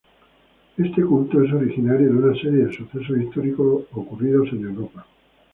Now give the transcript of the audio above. Este culto es originario de una serie de sucesos históricos ocurridos en Europa.